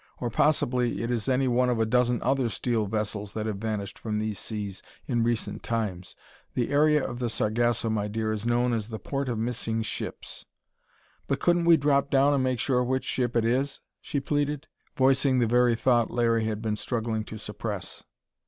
Or possibly it is any one of a dozen other steel vessels that have vanished from these seas in recent times. The area of the Sargasso, my dear, is known as 'The Port of Missing Ships.'" "But couldn't we drop down and make sure which ship it is?" she pleaded, voicing the very thought Larry had been struggling to suppress.